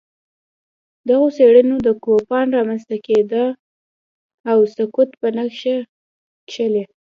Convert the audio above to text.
دغو څېړونکو د کوپان رامنځته کېدا او سقوط په نقشه کښلي